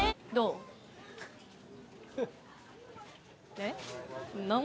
えっ？